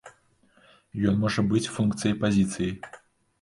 Ён можа быць функцыяй пазіцыі.